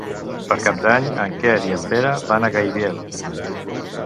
Per Cap d'Any en Quer i en Pere van a Gaibiel.